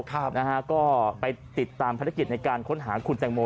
ก็ไปติดตามภารกิจในการค้นหาคุณแต่งโม